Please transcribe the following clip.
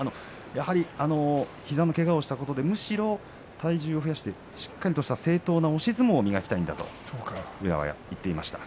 やはり膝のけがをしたことでむしろ体重を増やしてしっかりした正統の押し相撲を磨きたいんですと言っていました。